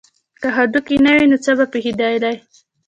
که هډوکي نه وی نو څه به پیښیدل